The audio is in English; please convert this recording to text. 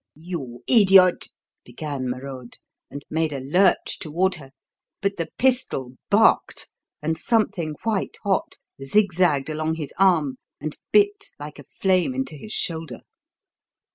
"You idiot!" began Merode, and made a lurch toward her. But the pistol barked, and something white hot zigzagged along his arm and bit like a flame into his shoulder.